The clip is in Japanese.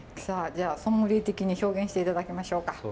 さあじゃあソムリエ的に表現していただきましょうか。